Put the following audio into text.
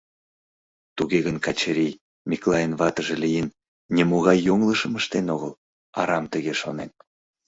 Туге гын Качырий, Миклайын ватыже лийын, нимогай йоҥылышым ыштен огыл, арам тыге шонен.